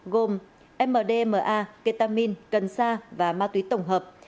gồm mdma ketamin cần sa và ma túy tổng hợp